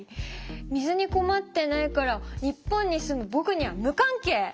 水に困ってないから日本に住むボクには無関係！？